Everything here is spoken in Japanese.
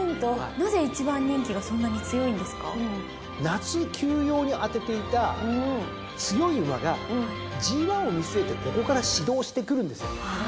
夏休養に当てていた強い馬がＧⅠを見据えてここから始動してくるんですよ。